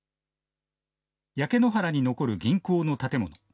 焼け野原に残る銀行の建物。